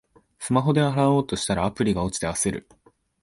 スマホで払おうとしたら、アプリが落ちて焦る